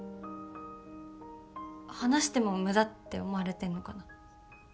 話しても無駄って思われてんのかな？